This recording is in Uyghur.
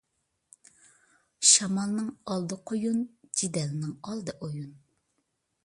شامالنىڭ ئالدى قۇيۇن، جېدەلنىڭ ئالدى ئويۇن.